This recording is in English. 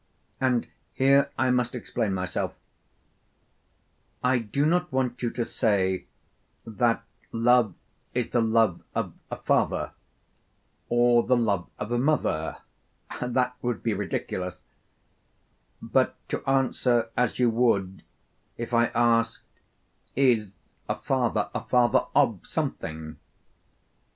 And here I must explain myself: I do not want you to say that love is the love of a father or the love of a mother that would be ridiculous; but to answer as you would, if I asked is a father a father of something?